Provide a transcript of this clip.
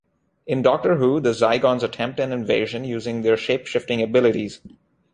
In "Doctor Who" the Zygons attempt an invasion using their shapeshifting abilities.